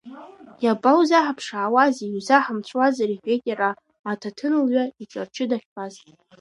Иабаузаҳԥшаауеи, иузаҳамцәуазар, — иҳәеит иара, аҭаҭын лҩа иҿарчы дахьтәаз.